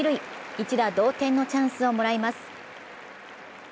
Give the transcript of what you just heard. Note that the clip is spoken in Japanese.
一打同点のチャンスをもらいます。